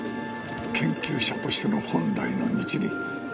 研究者としての本来の道に。